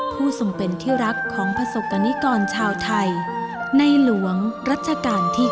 ผู้ทรงเป็นที่รักของประสบกรณิกรชาวไทยในหลวงรัชกาลที่๙